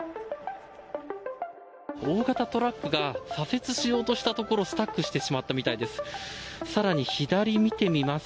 大型トラックが左折しようとしたところスタックしてしまったみたいです。